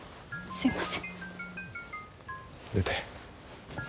すいません。